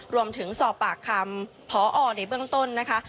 รวมถึงสอบปากคำพอในเบื้องต้นนะคะ